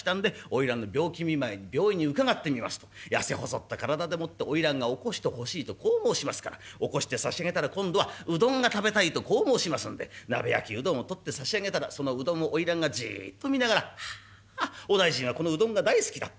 花魁の病気見舞いに病院に伺ってみますと痩せ細った体でもって花魁が起こしてほしいとこう申しますから起こしてさしあげたら今度はうどんが食べたいとこう申しますんで鍋焼きうどんを取ってさしあげたらそのうどんを花魁がじっと見ながらお大尽はこのうどんが大好きだった。